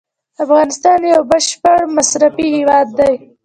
افغانستان یو بشپړ مصرفي هیواد دی.